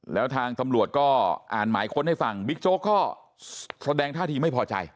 แล้วทางตำรวจก็อ่านหมายค้นให้ฟังบิ๊กโจ๊กก็แสดงท่าทีไม่พอใจ